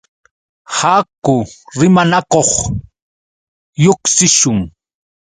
Haku rimanakuq lluqsishun.